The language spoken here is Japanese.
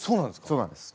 そうなんです。